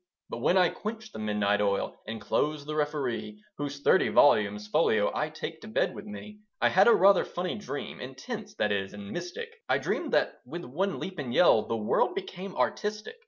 But when I quenched the midnight oil, And closed The Referee, Whose thirty volumes folio I take to bed with me, I had a rather funny dream, Intense, that is, and mystic; I dreamed that, with one leap and yell, The world became artistic.